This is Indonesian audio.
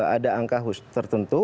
ada angka tertentu